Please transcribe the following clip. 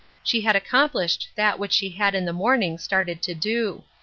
She had accomplished that which she had in the morning started to do.